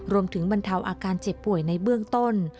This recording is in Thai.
บรรเทาอาการเจ็บป่วยในเบื้องต้น